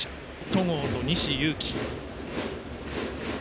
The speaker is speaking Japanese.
戸郷と西勇輝。